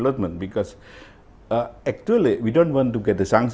karena sebenarnya kita tidak ingin mendapatkan sanksi